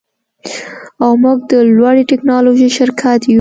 او موږ د لوړې ټیکنالوژۍ شرکت یو